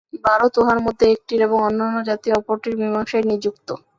ভারত উহার মধ্যে একটির এবং অন্যান্য জাতি অপরটির মীমাংসায় নিযুক্ত।